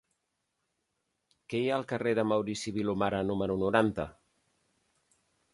Què hi ha al carrer de Maurici Vilomara número noranta?